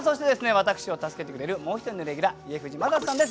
私を助けてくれるもう一人のレギュラー家藤正人さんです